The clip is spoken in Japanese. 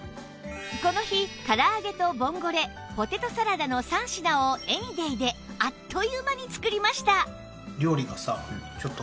この日唐揚げとボンゴレポテトサラダの３品をエニデイであっという間に作りました